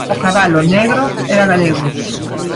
O cabalo, negro, era galego.